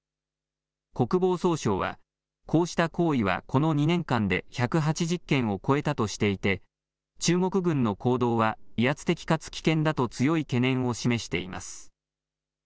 国防総省はこうした行為はこの２年間で１８０件を超えたとしていて中国軍の行動は威圧的かつ危険だと強い懸念を示しています。